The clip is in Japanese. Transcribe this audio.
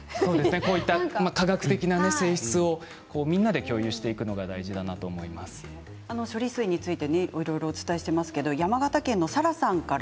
こうした科学的な性質をみんなで共有していくのが処理水についてお伝えしていますが山形県の方から。